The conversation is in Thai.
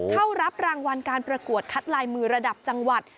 เข้ารับรางวัลการประกวดคัดลายมือระดับจังหวัด